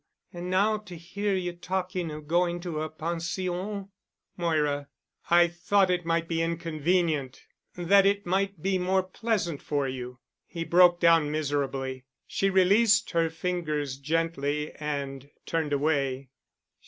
And now to hear you talking of going to a pension——" "Moira—I thought it might be inconvenient—that it might be more pleasant for you——" He broke down miserably. She released her fingers gently and turned away.